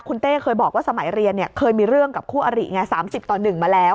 คุณเต้เคยบอกว่าสมัยเรียนเคยมีเรื่องกับคู่อริไง๓๐ต่อ๑มาแล้ว